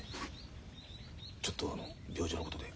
ちょっとあの病状のことであっちへ。